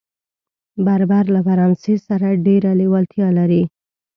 بربر له فرانسې سره ډېره لېوالتیا لري.